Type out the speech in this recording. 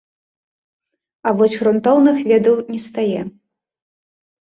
А вось грунтоўных ведаў не стае.